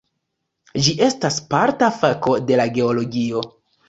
Ĝi estas parta fako de la geologio.